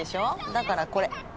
だからこれ。